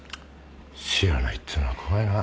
知らないっつうのは怖いな。